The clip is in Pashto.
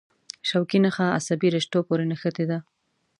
شوکي نخاع عصبي رشتو پورې نښتې ده.